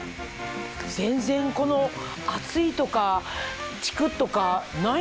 全然この熱いとかチクっとかないんだね。